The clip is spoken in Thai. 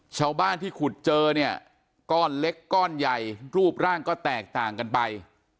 ชาวบ้านที่ขุดเจอเนี่ยก้อนเล็กก้อนใหญ่รูปร่างก็แตกต่างกันไป